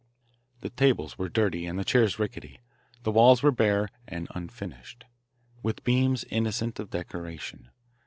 The tables were dirty and the chairs rickety. The walls were bare and unfinished, with beams innocent of decoration.